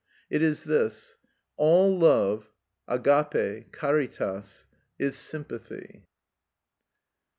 It is this: "All love (αγαπη, caritas) is sympathy."